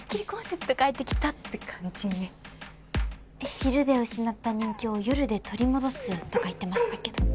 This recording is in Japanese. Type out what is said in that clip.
昼で失った人気を夜で取り戻すとか言ってましたけど。